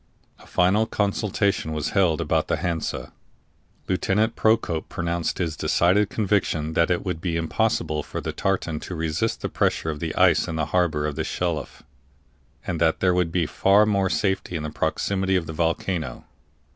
A final consultation was held about the Hansa. Lieutenant Procope pronounced his decided conviction that it would be impossible for the tartan to resist the pressure of the ice in the harbor of the Shelif, and that there would be far more safety in the proximity of the volcano.